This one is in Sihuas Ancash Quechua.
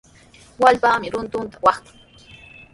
Wallpami runtuta watran.